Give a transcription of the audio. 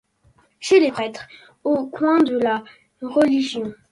Chez les prêtres ; au coin de la religion